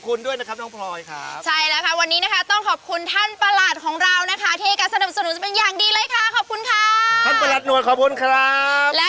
ขอบคุณมากค่ะ